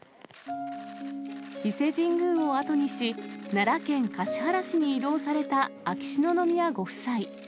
伊勢神宮を後にし、奈良県橿原市に移動された秋篠宮ご夫妻。